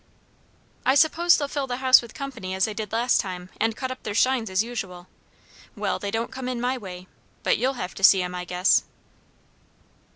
"I suppose they'll fill the house with company, as they did last time, and cut up their shines as usual. Well! they don't come in my way. But you'll have to see 'em, I guess."